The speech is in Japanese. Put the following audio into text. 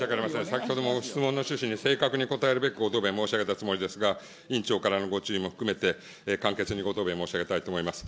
先ほどもご質問の趣旨に正確に答えるべくご答弁申し上げたつもりですが、委員長からのご注意も含めて簡潔にご答弁申し上げたいと思います。